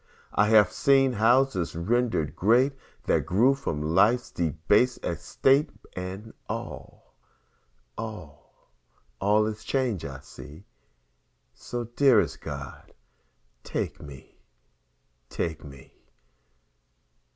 I have seen houses rendered great That grew from life's debased estate, And all, all, all is change I see, So, dearest God, take me, take me.